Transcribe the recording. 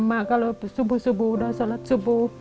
mak kalau subuh subuh udah sholat subuh